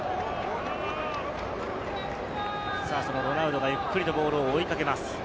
ロナウドがゆっくりとボールを追いかけます。